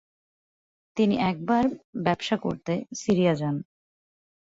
তিনি একবার ব্যবসার করতে সিরিয়া যান।